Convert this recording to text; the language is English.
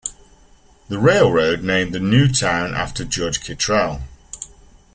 The railroad named the new town after Judge Kittrell.